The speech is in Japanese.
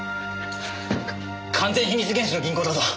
完全秘密厳守の銀行だぞ。